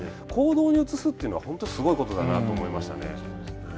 行動に移すというのは本当にすごいことだなと思いましたね。